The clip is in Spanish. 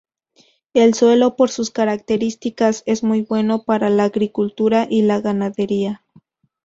El suelo, por sus características es muy bueno para la agricultura y la ganadería.